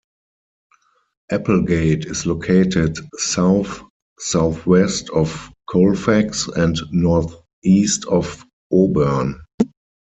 Applegate is located south-southwest of Colfax, and northeast of Auburn.